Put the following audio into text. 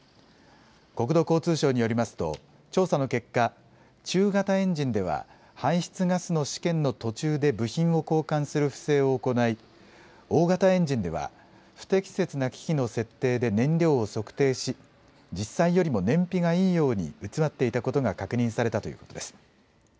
国土交通省によりますと、調査の結果、中型エンジンでは排出ガスの試験の途中で部品を交換する不正を行い、大型エンジンでは不適切な機器の設定で燃料を測定し、実際よりも燃費がいいように偽っていたことが確認されたということです。